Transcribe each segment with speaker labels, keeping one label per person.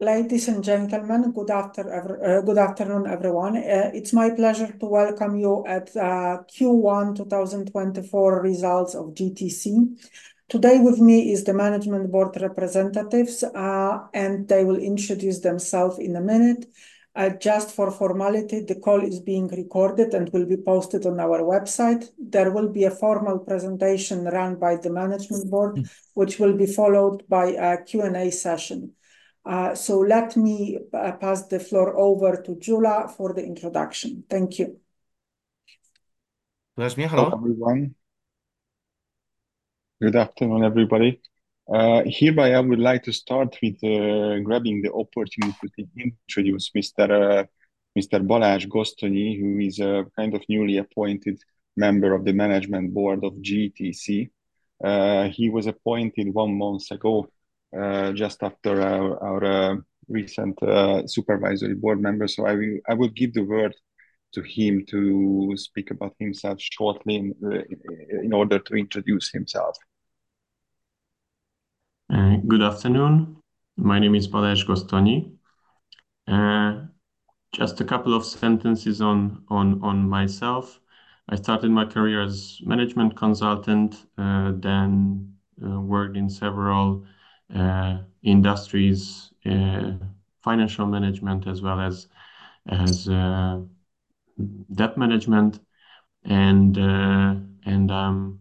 Speaker 1: Ladies and gentlemen, good after every, good afternoon, everyone. It's my pleasure to welcome you at Q1 2024 results of GTC. Today with me is the management board representatives, and they will introduce themselves in a minute. Just for formality, the call is being recorded and will be posted on our website. There will be a formal presentation run by the management board, which will be followed by a Q&A session. So let me pass the floor over to Gyula for the introduction. Thank you.
Speaker 2: László, hello. Hello, everyone. Good afternoon, everybody. Hereby, I would like to start with grabbing the opportunity to introduce Mr. Balázs Gosztonyi, who is a kind of newly appointed member of the management board of GTC. He was appointed one month ago, just after our recent supervisory board member. So I will give the word to him to speak about himself shortly in order to introduce himself.
Speaker 3: Good afternoon. My name is Balázs Gosztonyi. Just a couple of sentences on myself. I started my career as management consultant, then worked in several industries, financial management, as well as debt management. And I'm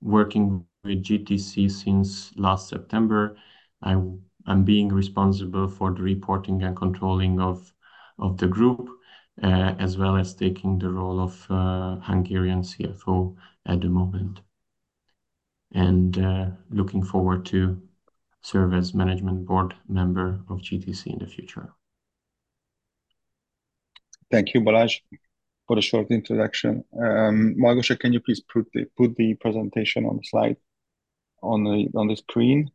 Speaker 3: working with GTC since last September. I'm being responsible for the reporting and controlling of the group, as well as taking the role of Hungarian CFO at the moment. Looking forward to serve as management board member of GTC in the future.
Speaker 2: Thank you, Balázs, for the short introduction. Małgosia, can you please put the presentation on the screen?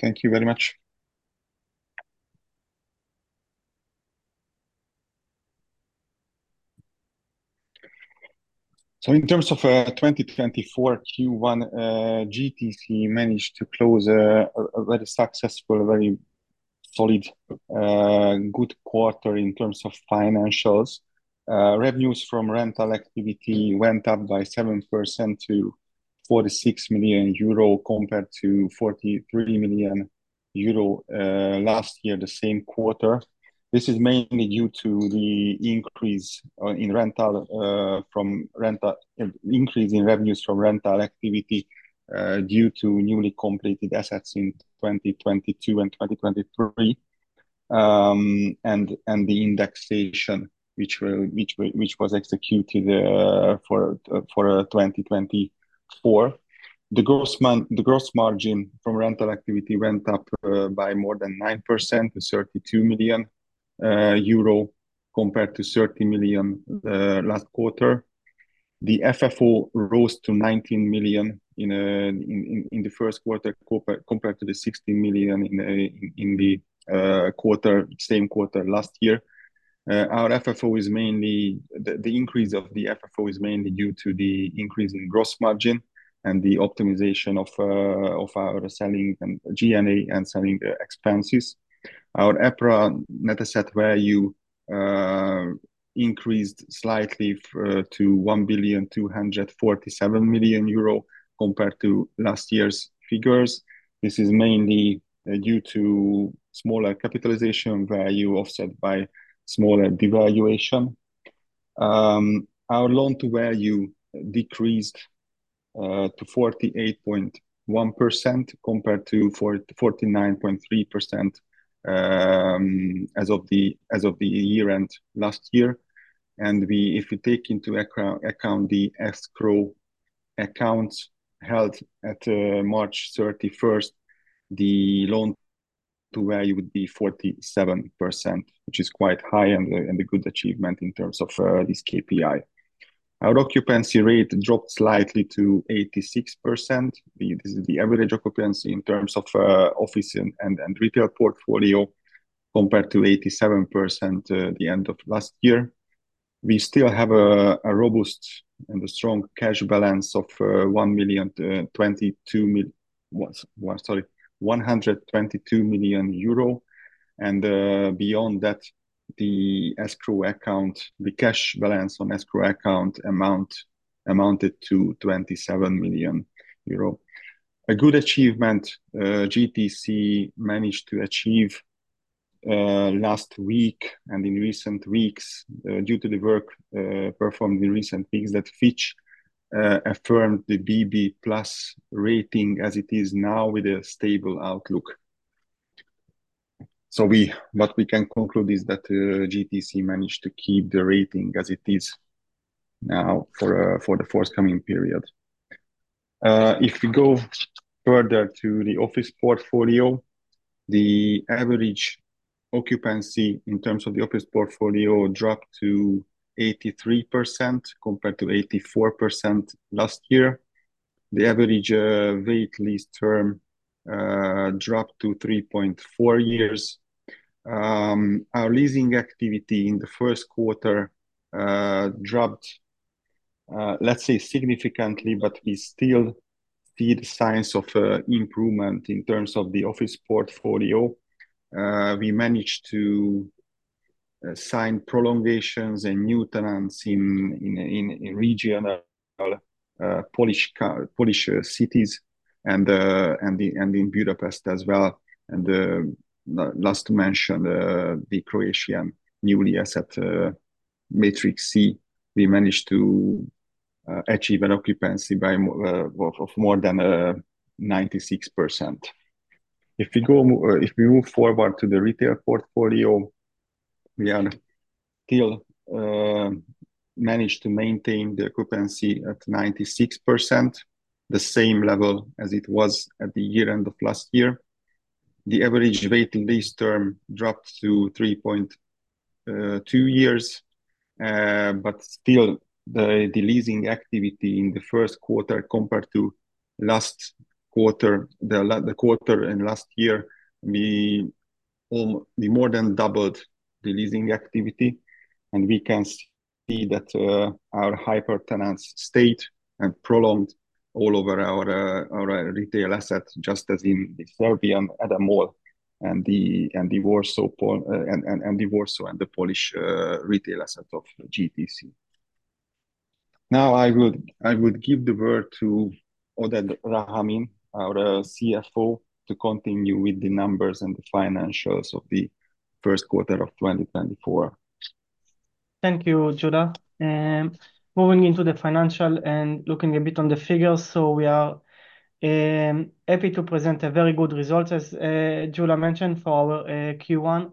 Speaker 2: Thank you very much. So in terms of 2024 Q1, GTC managed to close a very successful, very solid, good quarter in terms of financials. Revenues from rental activity went up by 7% to 46 million euro, compared to 43 million euro last year, the same quarter. This is mainly due to the increase in revenues from rental activity due to newly completed assets in 2022 and 2023, and the indexation, which was executed for 2024. The gross margin from rental activity went up by more than 9% to 32 million euro, compared to 30 million last quarter. The FFO rose to 19 million in the first quarter compared to the 16 million in the same quarter last year. Our FFO is mainly... The increase of the FFO is mainly due to the increase in gross margin and the optimization of our selling and G&A and selling expenses. Our EPRA net asset value increased slightly to 1,247 million euro, compared to last year's figures. This is mainly due to smaller capitalization value, offset by smaller devaluation. Our loan-to-value decreased to 48.1%, compared to 49.3%, as of the year end last year. If you take into account the escrow accounts held at March thirty-first, the loan-to-value would be 47%, which is quite high and a good achievement in terms of this KPI. Our occupancy rate dropped slightly to 86%. This is the average occupancy in terms of office and retail portfolio, compared to 87% at the end of last year. We still have a robust and strong cash balance of 122 million euro. Beyond that, the cash balance on escrow account amounted to 27 million euro. A good achievement, GTC managed to achieve last week and in recent weeks due to the work performed in recent weeks, that Fitch affirmed the BB+ rating as it is now with a stable outlook. So what we can conclude is that GTC managed to keep the rating as it is now for the forthcoming period. If we go further to the office portfolio. The average occupancy in terms of the office portfolio dropped to 83%, compared to 84% last year. The average weighted lease term dropped to 3.4 years. Our leasing activity in the first quarter dropped, let's say significantly, but we still see the signs of improvement in terms of the office portfolio. We managed to sign prolongations and new tenants in regional Polish cities and in Budapest as well. And last to mention, the Croatian new asset, Matrix C, we managed to achieve an occupancy of more than 96%. If we move forward to the retail portfolio, we still managed to maintain the occupancy at 96%, the same level as it was at the year end of last year. The average weighted lease term dropped to 3.2 years, but still, the leasing activity in the first quarter, compared to last quarter and last year, we more than doubled the leasing activity, and we can see that our hyper tenants stayed and prolonged all over our retail assets, just as in the Serbian Ada Mall and the Warsaw and the Polish retail asset of GTC. Now, I would give the word to Ariel Ferstman, our CFO, to continue with the numbers and the financials of the first quarter of 2024.
Speaker 4: Thank you, Gyula. Moving into the financial and looking a bit on the figures, so we are happy to present a very good result, as Gyula mentioned, for our Q1.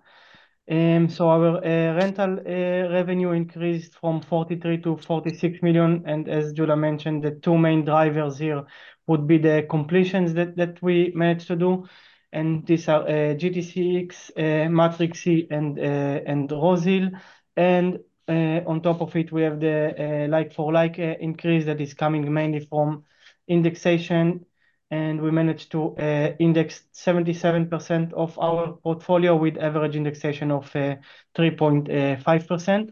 Speaker 4: So our rental revenue increased from 43 million to 46 million, and as Gyula mentioned, the two main drivers here would be the completions that we managed to do, and these are GTC X, Matrix C, and Rose Hill. And on top of it, we have the like-for-like increase that is coming mainly from indexation, and we managed to index 77% of our portfolio, with average indexation of 3.5%.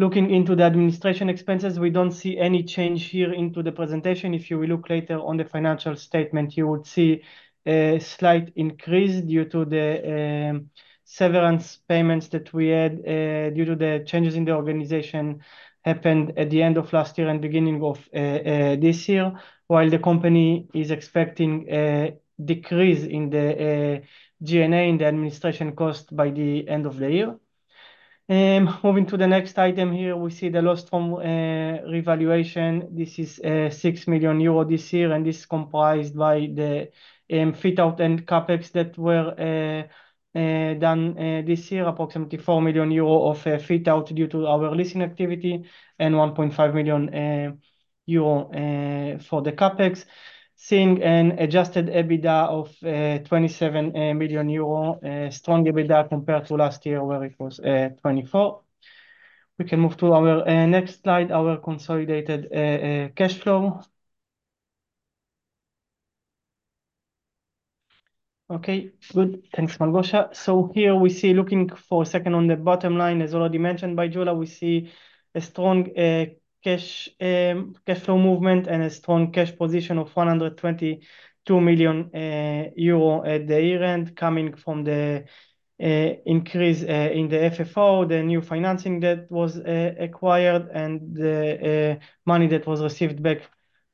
Speaker 4: Looking into the administration expenses, we don't see any change here into the presentation. If you will look later on the financial statement, you would see a slight increase due to the severance payments that we had due to the changes in the organization happened at the end of last year and beginning of this year. While the company is expecting a decrease in the G&A and the administration cost by the end of the year. Moving to the next item here, we see the loss from revaluation. This is 6 million euro this year, and this is comprised by the fit-out and CapEx that were done this year. Approximately 4 million euro of fit-out due to our leasing activity, and 1.5 million euro for the CapEx. Seeing an Adjusted EBITDA of 27 million euro, a strong EBITDA compared to last year, where it was 24 million. We can move to our next slide, our consolidated cash flow. Okay, good. Thanks, Małgosia. So here we see, looking for a second on the bottom line, as already mentioned by Gyula, we see a strong cash flow movement and a strong cash position of 122 million euro at the year-end, coming from the increase in the FFO, the new financing that was acquired, and the money that was received back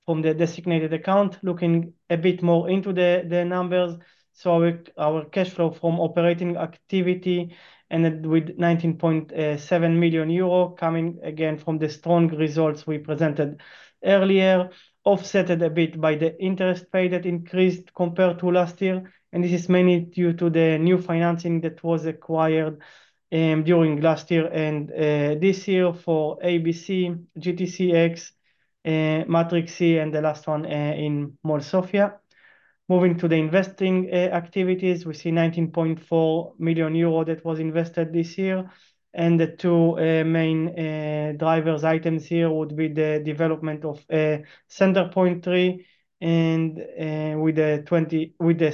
Speaker 4: from the designated account. Looking a bit more into the numbers, so our cash flow from operating activity ended with 19.7 million euro, coming again from the strong results we presented earlier, offset a bit by the interest paid that increased compared to last year, and this is mainly due to the new financing that was acquired during last year and this year for ABC, GTC X, Matrix C, and the last one in Mall of Sofia. Moving to the investing activities, we see 19.4 million euro that was invested this year, and the two main drivers items here would be the development of Center Point III, and with the,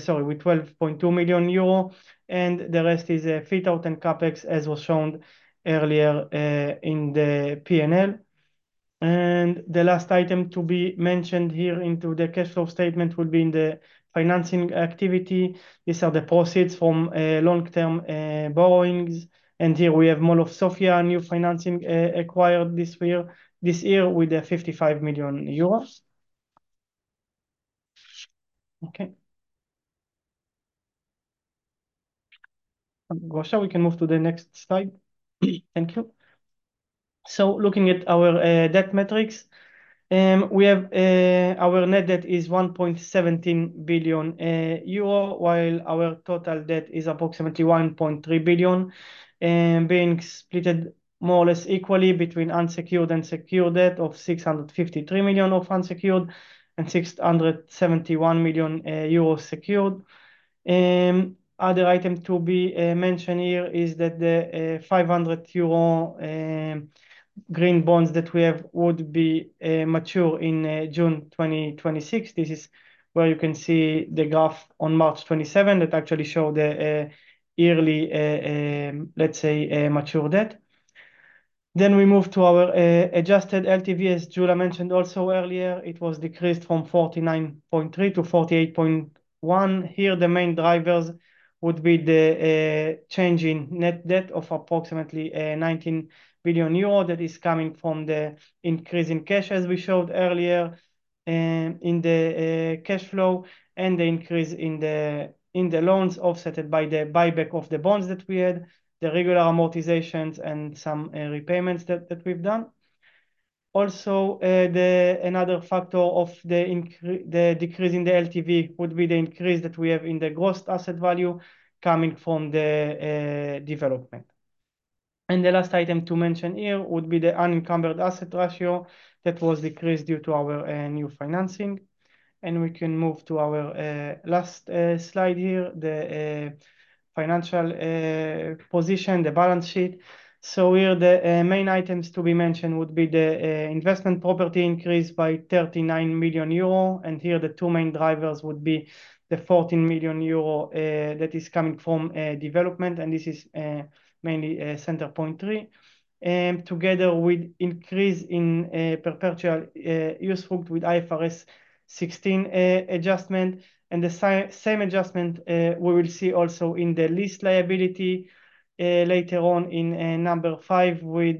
Speaker 4: sorry, with 12.2 million euro, and the rest is fit-out and CapEx, as was shown earlier in the P&L. The last item to be mentioned here into the cash flow statement would be in the financing activity. These are the proceeds from long-term borrowings. And here we have Mall of Sofia, new financing, acquired this year, this year with the 55 million euros. Okay. Małgosia, we can move to the next slide. Thank you. So looking at our debt metrics, we have our net debt is 1.17 billion euro, while our total debt is approximately 1.3 billion, being split more or less equally between unsecured and secured debt of 653 million of unsecured and 671 million euro secured. Other item to be mentioned here is that the 500 million euro green bonds that we have would be mature in June 2026. This is where you can see the graph on March 27 that actually show the yearly, let's say, mature debt. Then we move to our adjusted LTV. As Gyula mentioned also earlier, it was decreased from 49.3 to 48.1. Here, the main drivers would be the change in net debt of approximately 19 billion euro. That is coming from the increase in cash, as we showed earlier, in the cash flow, and the increase in the loans, offset by the buyback of the bonds that we had, the regular amortizations and some repayments that we've done. Also, another factor of the decrease in the LTV would be the increase that we have in the gross asset value coming from the development. The last item to mention here would be the unencumbered asset ratio that was decreased due to our new financing. We can move to our last slide here, the financial position, the balance sheet. Here, the main items to be mentioned would be the investment property increase by 39 million euro, and here the two main drivers would be the 14 million euro that is coming from development, and this is mainly Center Point III. Together with increase in perpetual usufruct booked with IFRS 16 adjustment, and the same adjustment we will see also in the lease liability later on in number five, with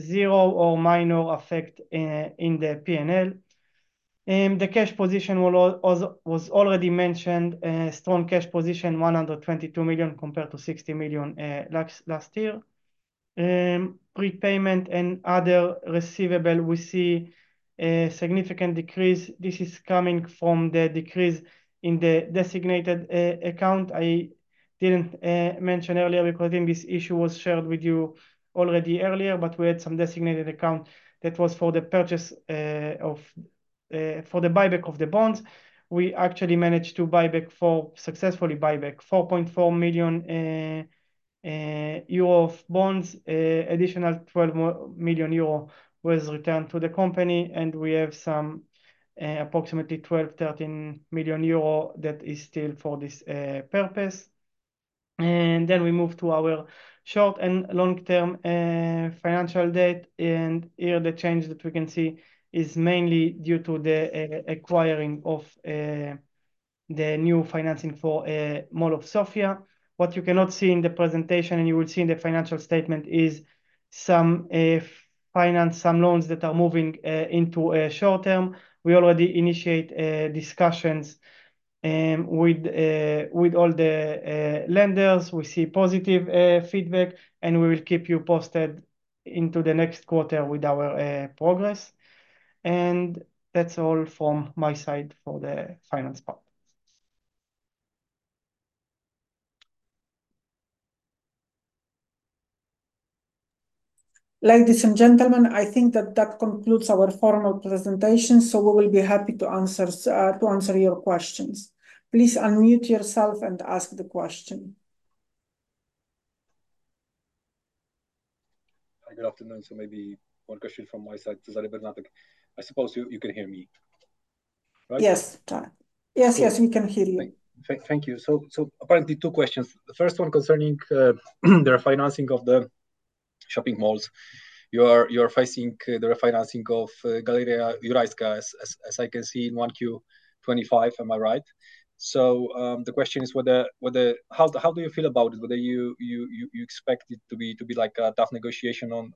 Speaker 4: zero or minor effect in the PNL. The cash position was already mentioned, a strong cash position, 122 million, compared to 60 million last year. Prepayment and other receivable, we see a significant decrease. This is coming from the decrease in the designated account. I didn't mention earlier because I think this issue was shared with you already earlier, but we had some designated account that was for the purchase of for the buyback of the bonds. We actually managed to buyback successfully buyback 4.4 million euro of bonds. Additional twelve million euro was returned to the company, and we have some approximately twelve, thirteen million euro that is still for this purpose. Then we move to our short and long-term financial debt, and here the change that we can see is mainly due to the acquiring of the new financing for Mall of Sofia. What you cannot see in the presentation, and you will see in the financial statement, is some finance, some loans that are moving into short term. We already initiate discussions with with all the lenders. We see positive feedback, and we will keep you posted into the next quarter with our progress. And that's all from my side for the finance part.
Speaker 1: Ladies and gentlemen, I think that that concludes our formal presentation, so we will be happy to answer your questions. Please unmute yourself and ask the question.
Speaker 5: Hi, good afternoon. So maybe one question from my side, Cezary Bernatek. I suppose you can hear me, right?
Speaker 1: Yes. Yes, yes, we can hear you.
Speaker 5: Thank you. So apparently, two questions. The first one concerning the refinancing of the shopping malls. You are facing the refinancing of Galeria Jurajska, as I can see, in 1Q25. Am I right? So the question is: How do you feel about it? Whether you expect it to be like a tough negotiation on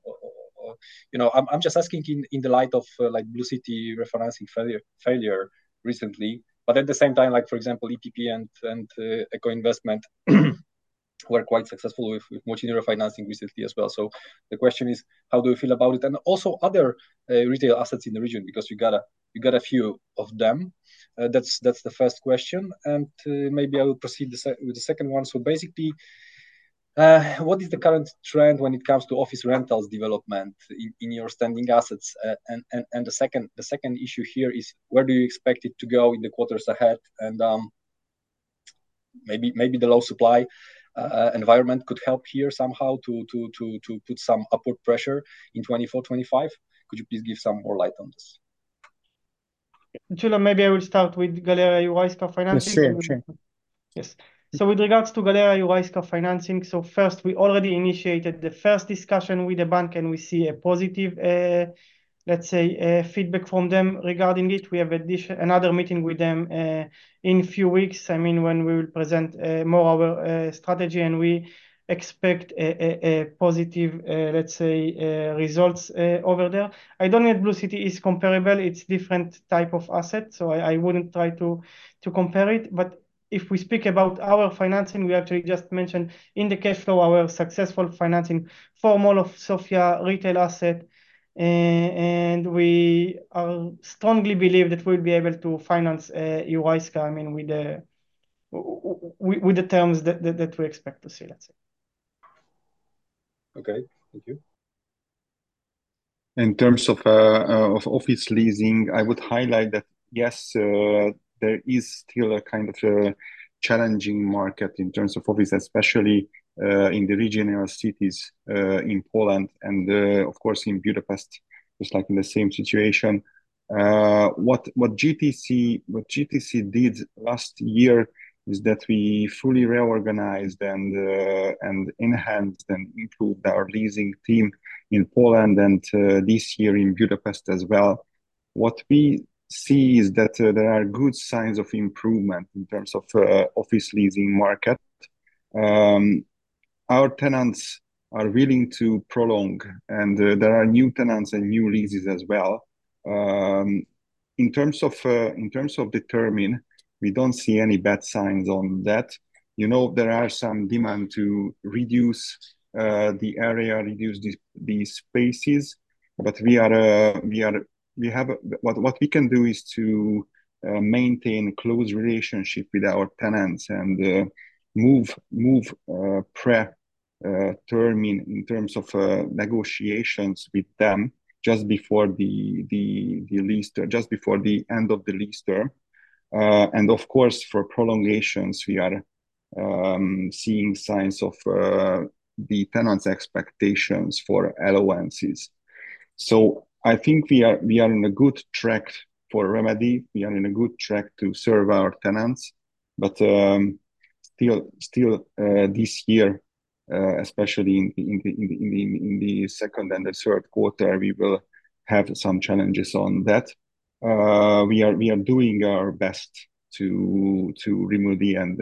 Speaker 5: or... You know, I'm just asking in the light of, like, Blue City refinancing failure recently. But at the same time, like, for example, EPP and Echo Investment, were quite successful with mall refinancing recently as well. So the question is: how do you feel about it? And also, other retail assets in the region, because you got a few of them. That's the first question, and maybe I will proceed with the second one. So basically, what is the current trend when it comes to office rentals development in your standing assets? And the second issue here is, where do you expect it to go in the quarters ahead? And maybe the low supply environment could help here somehow to put some upward pressure in 2024, 2025. Could you please give some more light on this?
Speaker 4: Gyula, maybe I will start with Galeria Jurajska financing.
Speaker 2: Sure, sure.
Speaker 4: Yes. So with regards to Galeria Jurajska financing, so first, we already initiated the first discussion with the bank, and we see a positive, let's say, feedback from them regarding it. We have addition, another meeting with them in few weeks. I mean, when we will present more our strategy, and we expect a positive, let's say, results over there. I don't know if Blue City is comparable. It's different type of asset, so I wouldn't try to compare it. But if we speak about our financing, we actually just mentioned in the cash flow, our successful financing for Mall of Sofia retail asset, and we strongly believe that we'll be able to finance Jurajska, I mean, with the terms that we expect to see, let's say.
Speaker 5: Okay, thank you.
Speaker 6: In terms of office leasing, I would highlight that, yes, there is still a kind of challenging market in terms of office, especially in the regional cities in Poland and, of course, in Budapest, it's like in the same situation. What GTC did last year is that we fully reorganized and enhanced and improved our leasing team in Poland and this year in Budapest as well. What we see is that there are good signs of improvement in terms of office leasing market. Our tenants are willing to prolong, and there are new tenants and new leases as well. In terms of the term, we don't see any bad signs on that. You know, there are some demand to reduce the area, reduce these spaces, but we have what we can do is to maintain close relationship with our tenants and move pre term in terms of negotiations with them just before the lease term just before the end of the lease term. And of course, for prolongations, we are seeing signs of the tenants' expectations for allowances. So I think we are in a good track for remedy. We are in a good track to serve our tenants, but still this year, especially in the second and the third quarter, we will have some challenges on that. We are doing our best to remedy and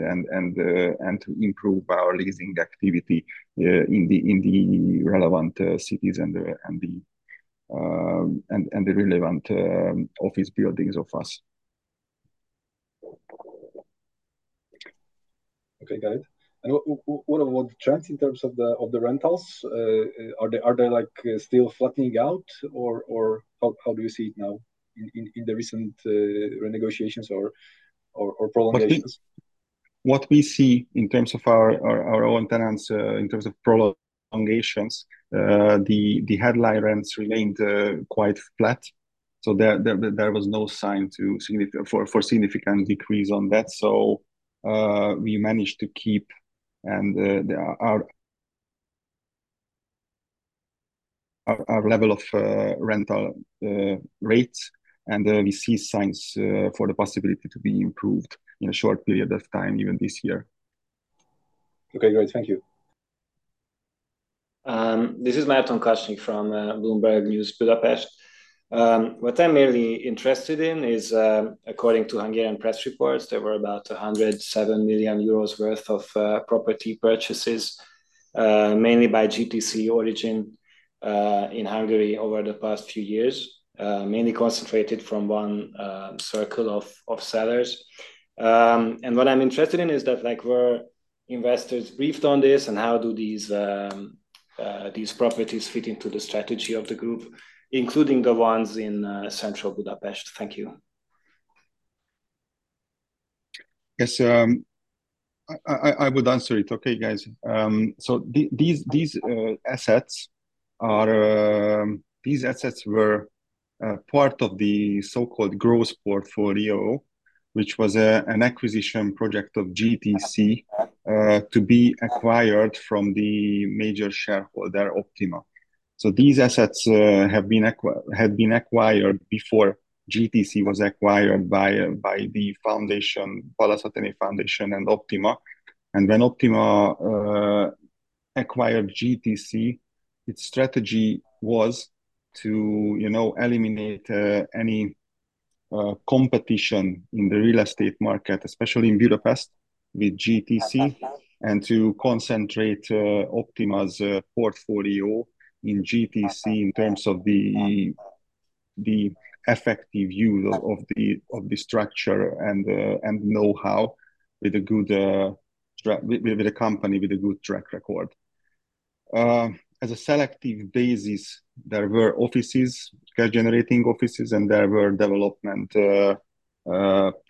Speaker 6: to improve our leasing activity in the relevant cities and the relevant office buildings of us.
Speaker 5: Okay, got it. And what about the trends in terms of the, of the rentals? Are they, are they like, still flattening out, or, or how, how do you see it now in, in, in the recent, renegotiations or, or, or prolongations?
Speaker 6: What we see in terms of our own tenants, in terms of prolongations, the headline rents remained quite flat. So there was no sign of significant decrease on that. So we managed to keep our level of rental rates, and we see signs for the possibility to be improved in a short period of time, even this year.
Speaker 5: Okay, great. Thank you.
Speaker 7: This is Márton Kasnyik from Bloomberg News, Budapest. What I'm mainly interested in is, according to Hungarian press reports, there were about 107 million euros worth of property purchases, mainly by GTC origin, in Hungary over the past few years. Mainly concentrated from one circle of sellers. What I'm interested in is that, like, were investors briefed on this, and how do these these properties fit into the strategy of the group, including the ones in central Budapest? Thank you.
Speaker 6: Yes, I would answer it. Okay, guys. So these assets are... These assets were part of the so-called growth portfolio, which was an acquisition project of GTC to be acquired from the major shareholder, Optima. So these assets had been acquired before GTC was acquired by the foundation, Pallas Athéné Foundations and Optima. And when Optima acquired GTC, its strategy was to, you know, eliminate any competition in the real estate market, especially in Budapest, with GTC, and to concentrate Optima's portfolio in GTC in terms of the effective use of the structure and the know-how with a company with a good track record. As a selective basis, there were offices, cash generating offices, and there were development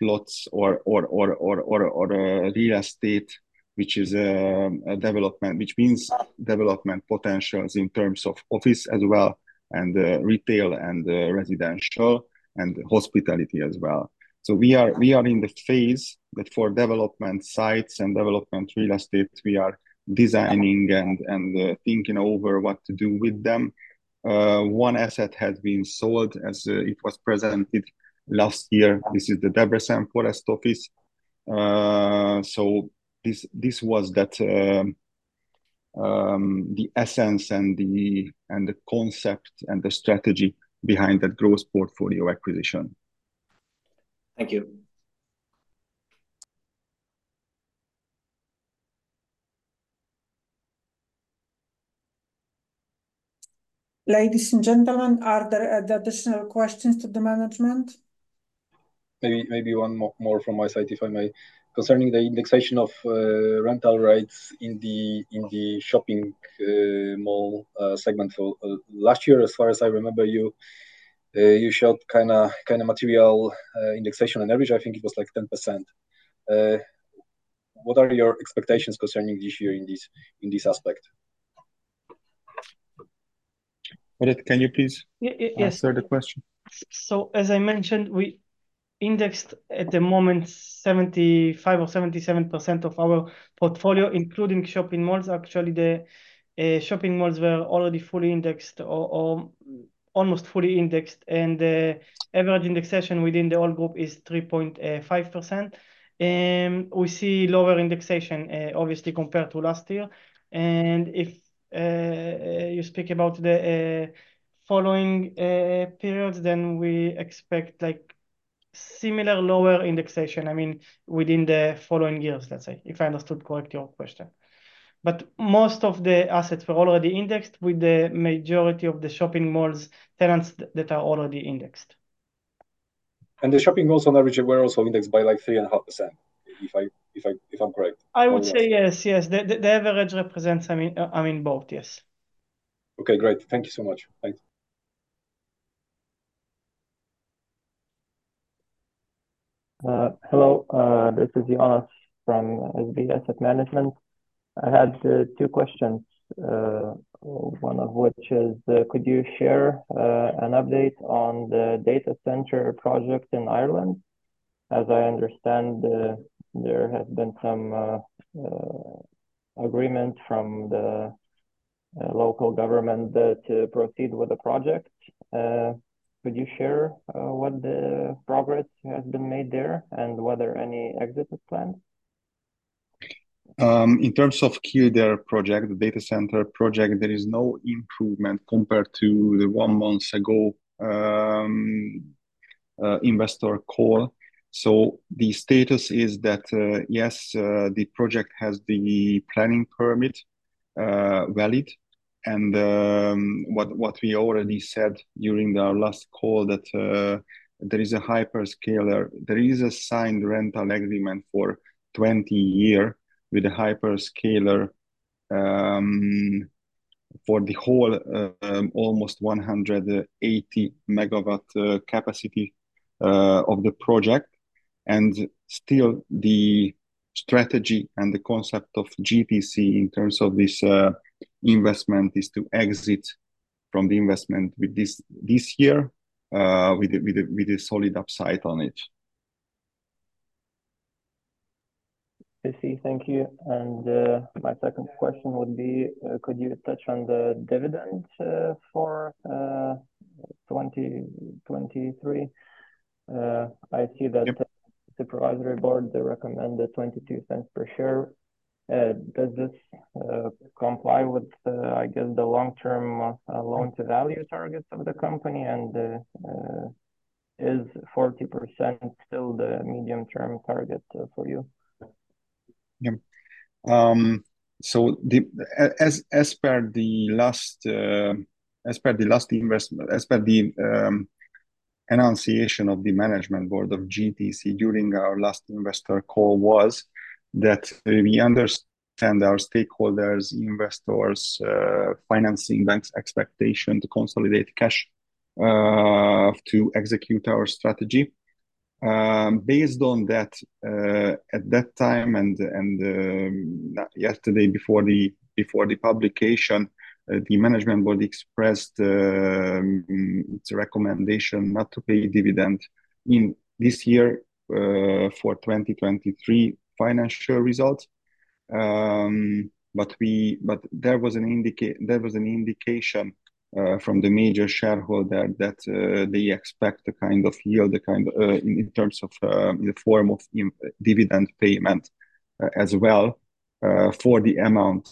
Speaker 6: plots or real estate, which is a development, which means development potentials in terms of office as well, and retail and residential and hospitality as well. So we are in the phase that for development sites and development real estate, we are designing and thinking over what to do with them. One asset has been sold as it was presented last year. This is the Forest Offices Debrecen. So this was that the essence and the concept and the strategy behind that growth portfolio acquisition.
Speaker 7: Thank you.
Speaker 1: Ladies and gentlemen, are there additional questions to the management?
Speaker 5: Maybe, maybe one more, more from my side, if I may. Concerning the indexation of rental rates in the shopping mall segment. For last year, as far as I remember, you showed kinda, kinda material indexation on average, I think it was like 10%. What are your expectations concerning this year in this, in this aspect?
Speaker 6: Ariel, can you please-
Speaker 4: Yes.
Speaker 6: Answer the question?
Speaker 4: So as I mentioned, we indexed at the moment 75 or 77% of our portfolio, including shopping malls. Actually, the shopping malls were already fully indexed or almost fully indexed, and the average indexation within the whole group is 3.5%. And we see lower indexation, obviously, compared to last year. And if you speak about the following periods, then we expect, like, similar lower indexation, I mean, within the following years, let's say, if I understood correctly your question. But most of the assets were already indexed, with the majority of the shopping malls' tenants that are already indexed.
Speaker 5: The shopping malls on average were also indexed by, like, 3.5%, if I'm correct.
Speaker 4: I would say yes, yes. The average represents, I mean, I mean, both. Yes.
Speaker 5: Okay, great. Thank you so much. Bye.
Speaker 8: Hello, this is Jonas from SEB Asset Management. I had two questions, one of which is, could you share an update on the data center project in Ireland? As I understand, there has been some agreement from the local government to proceed with the project. Could you share what the progress has been made there, and whether any exit is planned?
Speaker 6: In terms of Kildare project, the data center project, there is no improvement compared to the one month ago investor call. So the status is that, yes, the project has the planning permit valid. And what we already said during our last call, that there is a hyperscaler. There is a signed rental agreement for 20-year with a hyperscaler for the whole almost 180 MW capacity of the project. And still, the strategy and the concept of GTC in terms of this investment is to exit from the investment this year with a solid upside on it.
Speaker 8: I see. Thank you. And, my second question would be, could you touch on the dividend for 2023? I see that-
Speaker 6: Yep.
Speaker 8: ...supervisory board, they recommended 0.22 per share. Does this comply with, I guess, the long-term loan to value targets of the company? Is 40% still the medium-term target for you?
Speaker 6: Yeah. As per the announcement of the management board of GTC during our last investor call, was that we understand our stakeholders, investors, financing banks' expectation to consolidate cash to execute our strategy. Based on that, at that time and not yesterday, before the publication, the management board expressed its recommendation not to pay dividend in this year for 2023 financial results. But there was an indication from the major shareholder that they expect a kind of yield, a kind, in terms of, in the form of dividend payment as well, for the amount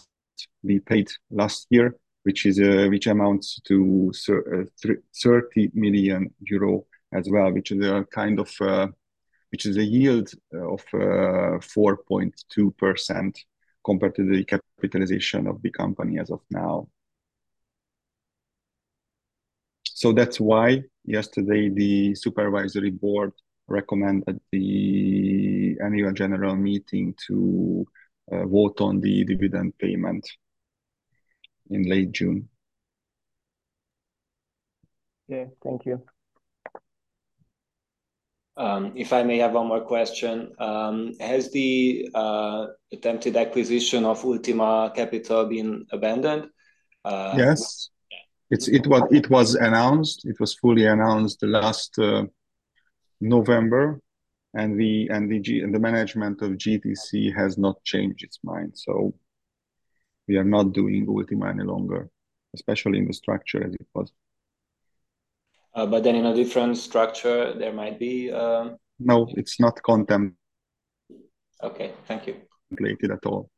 Speaker 6: we paid last year, which is, which amounts to 30 million euro as well, which is a kind of, which is a yield of 4.2% compared to the capitalization of the company as of now. So that's why yesterday, the supervisory board recommended the annual general meeting to vote on the dividend payment in late June.
Speaker 8: Okay, thank you.
Speaker 7: If I may have one more question. Has the attempted acquisition of Ultima Capital been abandoned?
Speaker 6: Yes.
Speaker 7: Yeah.
Speaker 6: It was announced. It was fully announced last November. And the management of GTC has not changed its mind, so we are not doing Ultima any longer, especially in the structure as it was.
Speaker 7: But then in a different structure, there might be,
Speaker 6: No, it's not contempt-
Speaker 7: Okay. Thank you.
Speaker 6: at all.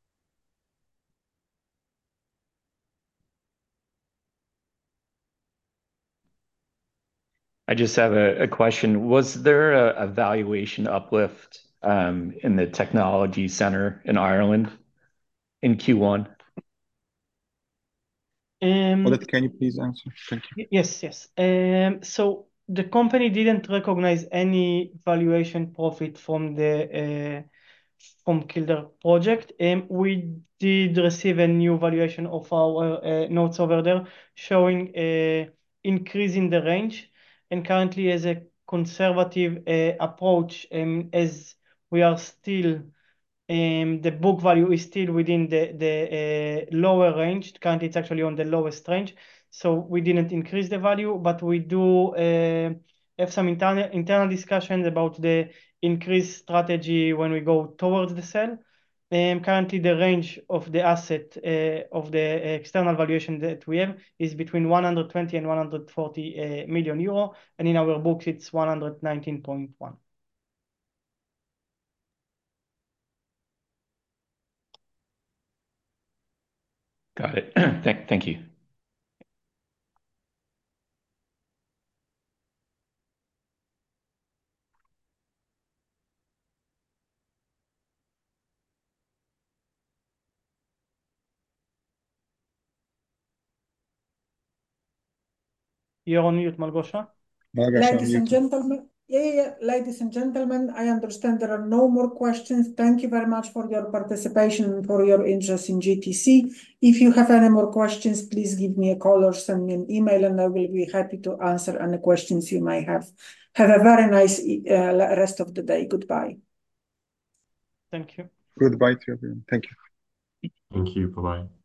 Speaker 9: I just have a question. Was there a valuation uplift in the technology center in Ireland in Q1?
Speaker 4: Um-
Speaker 6: Ariel, can you please answer? Thank you.
Speaker 4: Yes, yes. So the company didn't recognize any valuation profit from the, from Kildare project. And we did receive a new valuation of our, notes over there, showing a increase in the range. And currently, as a conservative, approach, as we are still, the book value is still within the, the, lower range. Currently, it's actually on the lowest range, so we didn't increase the value. But we do, have some internal, internal discussions about the increased strategy when we go towards the sell. And currently, the range of the asset, of the external valuation that we have is between 120 million and 140 million euro, and in our books, it's 119.1 million.
Speaker 9: Got it. Thank you.
Speaker 1: Ladies and gentlemen. Yeah, yeah. Ladies and gentlemen, I understand there are no more questions. Thank you very much for your participation and for your interest in GTC. If you have any more questions, please give me a call or send me an email, and I will be happy to answer any questions you may have. Have a very nice rest of the day. Goodbye.
Speaker 4: Thank you.
Speaker 6: Goodbye to everyone. Thank you.
Speaker 9: Thank you. Bye-bye.